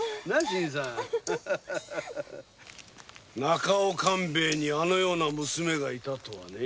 中尾勘兵衛にあのような娘がいたとはね。